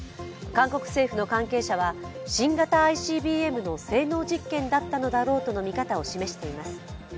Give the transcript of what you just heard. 韓国政府の関係者は、新型ＩＣＢＭの性能実験だったのだろうとの見方を示しています。